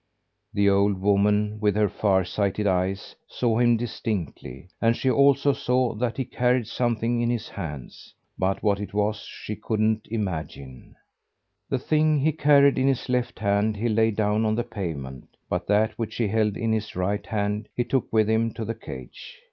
The old woman, with her far sighted eyes, saw him distinctly; and she also saw that he carried something in his hands; but what it was she couldn't imagine. The thing he carried in his left hand he laid down on the pavement; but that which he held in his right hand he took with him to the cage.